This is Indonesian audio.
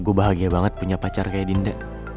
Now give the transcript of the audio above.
gue bahagia banget punya pacar kayak dinda